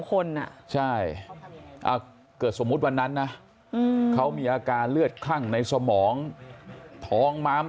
คนอ่ะใช่เกิดสมมุติวันนั้นนะเขามีอาการเลือดคลั่งในสมองท้องม้าม